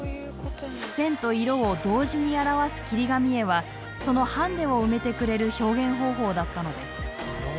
線と色を同時に表す切り紙絵はそのハンデを埋めてくれる表現方法だったのです。